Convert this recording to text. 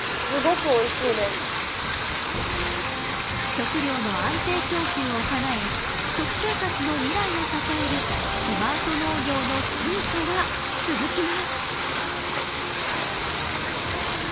食料の安定供給をかなえ食生活の未来を支えるスマート農業の進化は続きます。